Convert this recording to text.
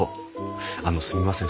あのすみません